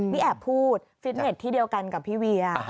นี่แอบพูดฟิตเน็ตที่เดียวกันกับพี่เวีย